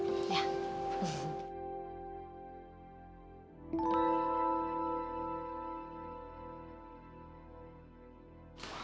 mas aku mau lihat